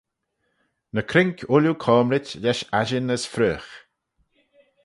Ny cruink ooilley coamrit lesh aittin as freoagh.